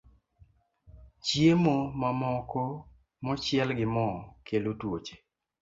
Chiemo mamoko mochiel gi mo kelo tuoche